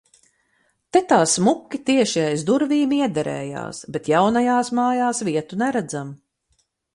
Te tā smuki tieši aiz durvīm iederējās, bet jaunajās mājas vietu neredzam...